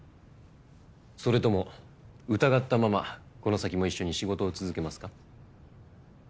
それとも疑ったままこの先も一緒に仕事を続けますか？